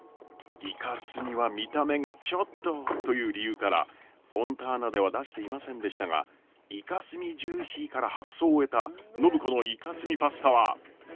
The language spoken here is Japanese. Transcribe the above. イカスミは見た目がちょっとという理由からフォンターナでは出していませんでしたがイカスミジューシーから発想を得た暢子のイカスミパスタは。